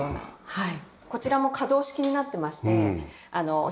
はい。